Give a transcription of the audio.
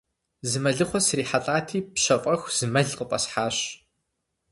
Зы мэлыхъуэ срихьэлӀати, пщэфӀэху, зы мэл къыфӀэсхьащ.